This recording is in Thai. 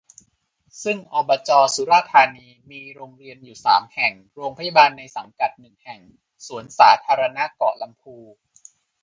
ซึ่ง อบจ สุราษฏร์ธานี มีโรงเรียนอยู่ สาม แห่ง โรงพยาบาลในสังกัด หนึ่ง แห่ง สวนสาธารณะเกาะลำพู